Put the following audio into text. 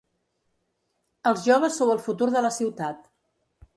Els joves sou el futur de la ciutat.